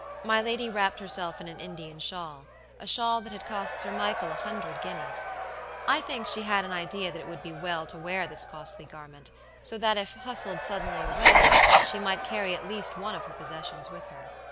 My lady wrapped herself in an Indian shawl; a shawl that had cost Sir Michael a hundred guineas. I think she had an idea that it would be well to wear this costly garment; so that if hustled suddenly away, she might carry at least one of her possessions with her.